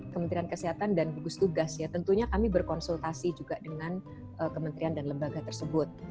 kementerian kesehatan dan gugus tugas ya tentunya kami berkonsultasi juga dengan kementerian dan lembaga tersebut